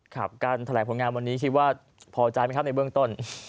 ครับการแถลงผลงานวันนี้คิดว่าพอใจไหมครับในเบื้องต้น